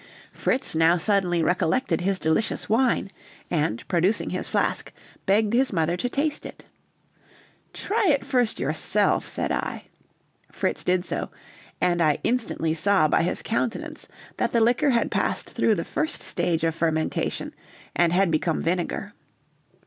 Fritz now suddenly recollected his delicious wine, and producing his flask, begged his mother to taste it. "Try it first yourself," said I; Fritz did so, and I instantly saw by his countenance that the liquor had passed through the first stage of fermentation and had become vinegar.